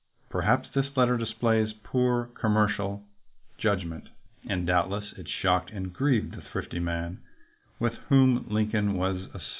1 Perhaps this letter displays poor commercial judgment, and doubtless it shocked and grieved the thrifty man with whom Lincoln was asso 1 See article by Jesse W.